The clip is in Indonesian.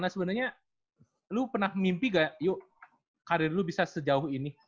sebenarnya lu pernah mimpi gak yuk karir lu bisa sejauh ini